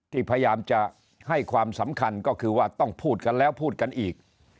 พยายามจะให้ความสำคัญก็คือว่าต้องพูดกันแล้วพูดกันอีก